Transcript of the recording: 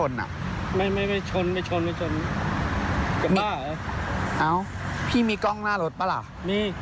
ข้ามไหนล่ะตรงนี้